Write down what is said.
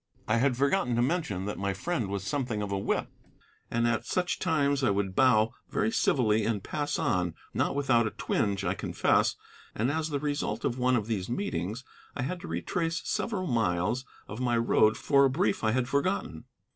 I had forgotten to mention that my friend was something of a whip. At such times I would bow very civilly and pass on; not without a twinge, I confess. And as the result of one of these meetings I had to retrace several miles of my road for a brief I had forgotten.